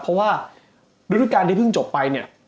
เพราะว่าฤดูการที่เพิ่งจบไปเนี่ย